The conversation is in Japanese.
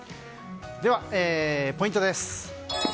では、ポイントです。